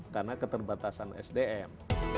karena keterbatasan sdm